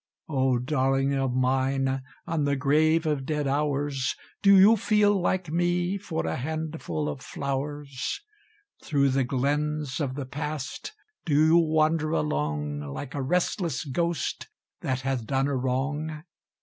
O darling of mine, on the grave of dead Hours, Do you feel, like me, for a handful of flowers? Through the glens of the Past, do you wander along, Like a restless ghost that hath done a wrong?